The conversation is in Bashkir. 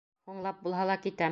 Һуңлап булһа ла китәм.